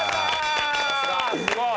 すごい！